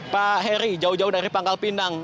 pak heri jauh jauh dari pangkal pinang